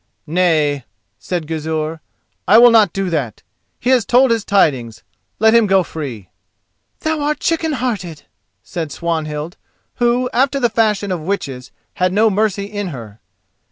"Nay," said Gizur, "I will not do that. He has told his tidings; let him go free." "Thou art chicken hearted," said Swanhild, who, after the fashion of witches, had no mercy in her.